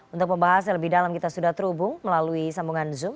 untuk pembahas yang lebih dalam kita sudah terhubung melalui sambungan zoom